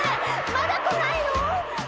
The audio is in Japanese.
まだ来ないの！？